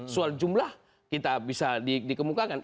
soal jumlah kita bisa dikemukakan